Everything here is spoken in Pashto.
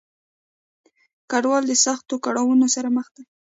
کډوال د سختو کړاونو سره مخ دي.